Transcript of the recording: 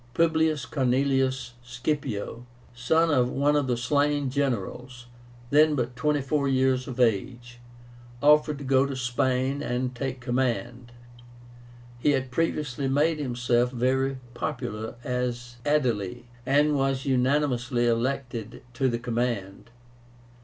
PUBLIUS CORNELIUS SCIPIO, son of one of the slain generals, then but twenty four years of age, offered to go to Spain and take command. He had previously made himself very popular as Aedile, and was unanimously elected to the command.